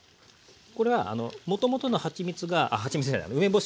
これはもともとのはちみつがあっはちみつじゃない梅干しがね